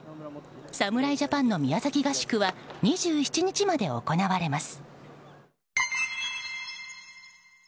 侍ジャパンの宮崎合宿は２７日まで行われます。